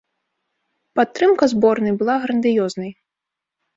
Падтрымка зборнай была грандыёзнай.